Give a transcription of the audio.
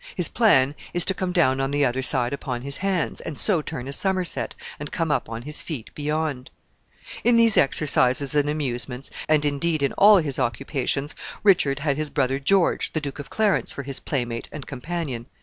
His plan is to come down on the other side upon his hands, and so turn a summerset, and come up on his feet beyond. [Illustration: BATTLE DOOR AND SHUTTLE COCK.] In these exercises and amusements, and, indeed, in all his occupations, Richard had his brother George, the Duke of Clarence, for his playmate and companion.